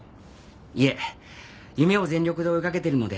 いえ夢を全力で追いかけてるので難しいです。